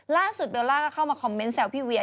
เบลล่าก็เข้ามาคอมเมนต์แซวพี่เวีย